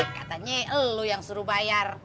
katanya lo yang suruh bayar